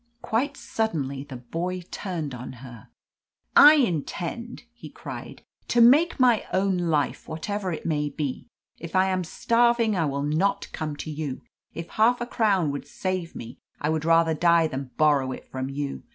Quite suddenly the boy turned on her. "I intend," he cried, "to make my own life whatever it may be. If I am starving I will not come to you. If half a crown would save me, I would rather die than borrow it from you.